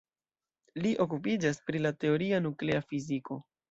Li okupiĝas pri la teoria nuklea fiziko.